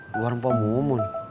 luar empah mumun